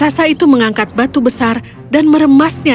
raksasa itu mengangkat batu besar dan menangkap raksasa